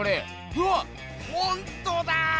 うわっほんとだ！